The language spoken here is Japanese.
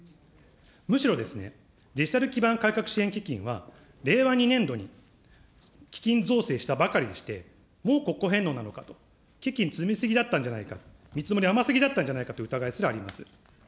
むしろ、デジタル基盤改革支援基金は、令和２年度に基金造成したばかりでして、もう国庫返納なのかと、基金積み過ぎだったんじゃないか、見積もり甘すぎだったんじゃないかという疑いすらあります。